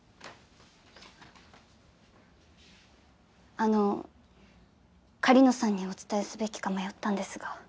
あの狩野さんにお伝えすべきか迷ったんですが。